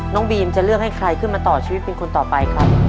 น้องบีมจะเลือกให้ใครขึ้นมาต่อชีวิตเป็นคนต่อไปครับ